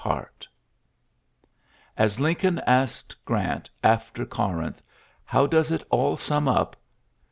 GEAFT As Lincoln asked Grant after Corintitx^ "How does it all sum up?"